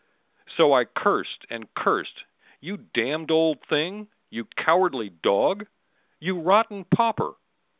So I cursed and cursed: You damned old thing You cowardly dog! You rotten pauper!